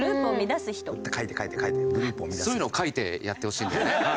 そういうのを書いてやってほしいんだよね。